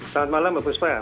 selamat malam mbak buspa